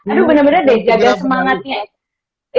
aduh benar benar deh jaga semangatnya